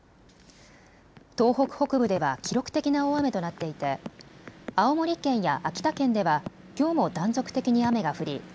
東北北部では記録的な大雨となっていて青森県や秋田県ではきょうも断続的に雨が降り